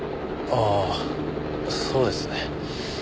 ああそうですね。